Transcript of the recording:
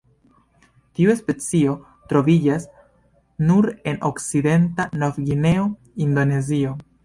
Tiu specio troviĝas nur en Okcidenta Nov-Gvineo, Indonezio.